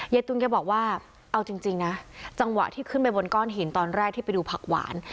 ตุลแกบอกว่าเอาจริงนะจังหวะที่ขึ้นไปบนก้อนหินตอนแรกที่ไปดูผักหวาน